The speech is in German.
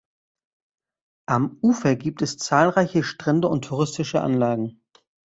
Am Ufer gibt es zahlreiche Strände und touristische Anlagen.